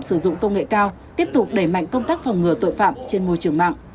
sử dụng công nghệ cao tiếp tục đẩy mạnh công tác phòng ngừa tội phạm trên môi trường mạng